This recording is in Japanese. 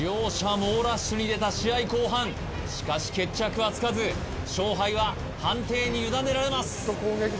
猛ラッシュに出た試合後半しかし決着はつかず勝敗は判定に委ねられます